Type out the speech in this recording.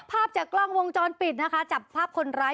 ภาพจากกล้องวงจรปิดนะคะจับภาพคนร้าย